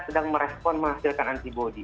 sedang merespon menghasilkan antibody